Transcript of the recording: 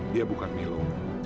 dia bukan milo